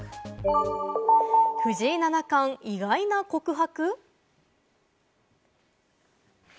藤井七冠、意外な告白。